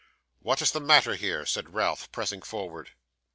'What is the matter here?' said Ralph, pressing forward.